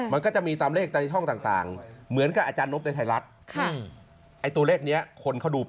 มันก็จะมีตามเลขตามในช่องต่างเหมือนกับอาจารย์นบในไทยรัฐ